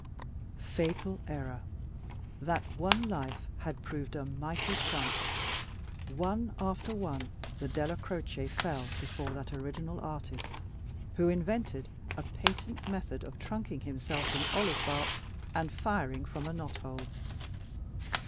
Fatal error that one life had proved a mighty trump. One after one the Della Croce fell before that original artist, who invented a patent method of trunking himself in olive bark and firing from a knot hole.